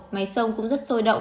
máy sông cũng rất sôi động